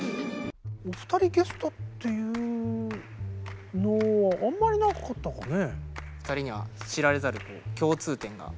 お二人ゲストっていうのはあんまりなかったかね。